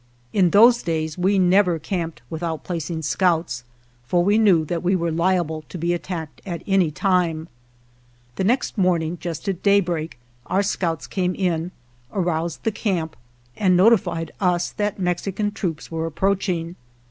In those days we never camped without 106 HIS MIGHTEST BATTLE placing scouts, for we knew that we were liable to be attacked at any time. The next morning just at daybreak our scouts came in, aroused the camp, and notified us that Mex ican troops were approaching.